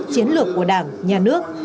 chiến lược của đảng nhà nước